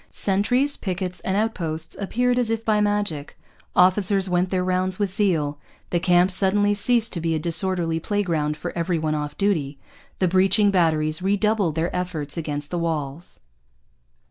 Sentries, piquets, and outposts appeared as if by magic. Officers went their rounds with zeal. The camp suddenly ceased to be a disorderly playground for every one off duty. The breaching batteries redoubled their efforts against the walls.